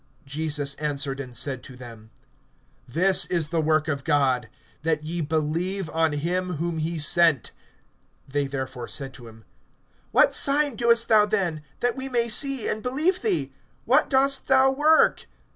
(29)Jesus answered and said to them: This is the work of God, that ye believe on him whom he sent. (30)They therefore said to him: What sign doest thou then, that we may see, and believe thee? What dost thou work?